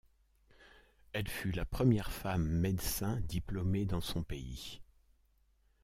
Elle fut la première femme médecin diplômée dans son pays.